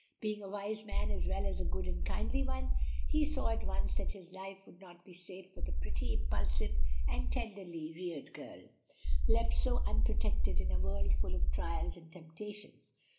Being a wise man as well as a good and kindly one, he saw at once that this life would not be safe for the pretty, impulsive, and tenderly reared girl, left so unprotected in a world full of trials and temptations.